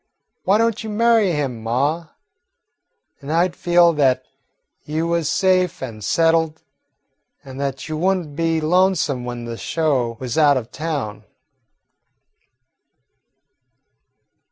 Why don't you marry him, ma? Then I 'd feel that you was safe an' settled, an' that you would n't be lonesome when the show was out of town."